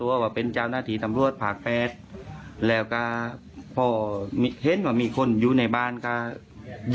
ผมได้ยินเสียงปืนอีกประมาณ๕๖นัด